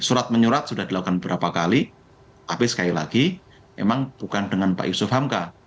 surat menyurat sudah dilakukan beberapa kali tapi sekali lagi memang bukan dengan pak yusuf hamka